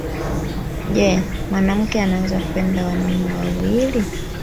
Je! Mwanamke anaweza kupenda wanaume wawili?